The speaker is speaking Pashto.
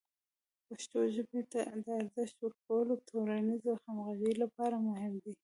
پښتو ژبې ته د ارزښت ورکول د ټولنیزې همغږۍ لپاره مهم دی.